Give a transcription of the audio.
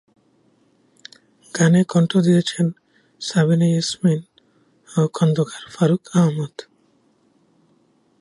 গানে কণ্ঠ দিয়েছেন সাবিনা ইয়াসমিন ও খন্দকার ফারুক আহমদ।